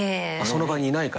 その場にいないからね。